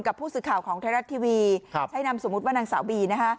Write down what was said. กลับผู้สื่อข่าวของท้ายรัฐทีวีให้นำสมมติว่านางสาวบี